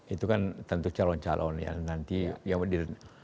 itu kan tentu calon calon ya nanti